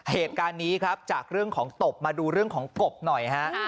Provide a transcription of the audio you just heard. เหตุการณ์นี้ครับจากเรื่องของตบมาดูเรื่องของกบหน่อยฮะ